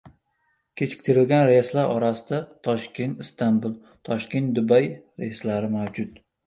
Kechiktirilgan reyslar orasida Toshkent—Istanbul, Toshkent—Dubay reyslari mavjud